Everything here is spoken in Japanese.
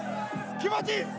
気持ちいいっす！